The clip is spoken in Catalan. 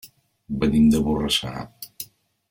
Venim de Borrassà.